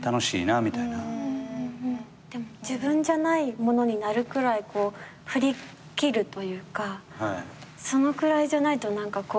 でも自分じゃないものになるくらい振り切るというかそのくらいじゃないと何かこう脱げないですよね。